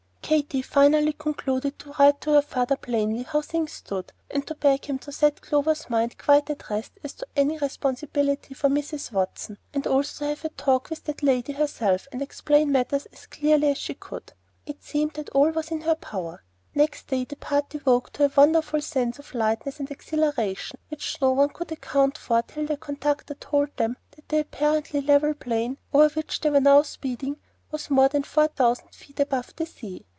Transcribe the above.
Katy finally concluded to write her father plainly how things stood, and beg him to set Clover's mind quite at rest as to any responsibility for Mrs. Watson, and also to have a talk with that lady herself, and explain matters as clearly as she could. It seemed all that was in her power. Next day the party woke to a wonderful sense of lightness and exhilaration which no one could account for till the conductor told them that the apparently level plain over which they were speeding was more than four thousand feet above the sea.